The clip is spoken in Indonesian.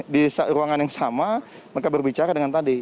di ruangan yang sama mereka berbicara dengan tadi